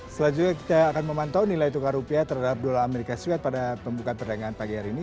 selanjutnya kita akan memantau nilai tukar rupiah terhadap dolar as pada pembukaan perdagangan pagi hari ini